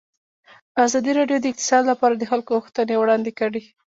ازادي راډیو د اقتصاد لپاره د خلکو غوښتنې وړاندې کړي.